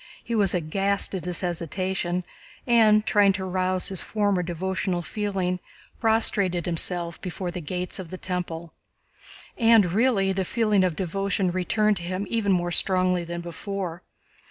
He was aghast at his hesitation and, trying to arouse his former devotional feeling, prostrated himself before the Gates of the Temple. And really, the feeling of devotion returned to him even more strongly than before.